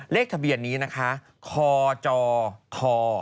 เลขทะเบียนนี้นะคะคอจค